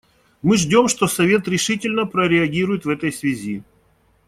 Мы ждем, что Совет решительно прореагирует в этой связи.